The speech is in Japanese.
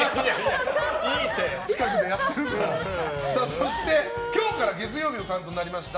そして、今日から月曜日の担当になりました